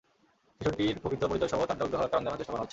শিশুটির প্রকৃত পরিচয়সহ তার দগ্ধ হওয়ার কারণ জানার চেষ্টা করা হচ্ছে।